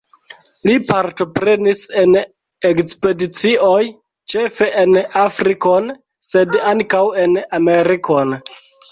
Li partoprenis en ekspedicioj, ĉefe en Afrikon, sed ankaŭ en Amerikon.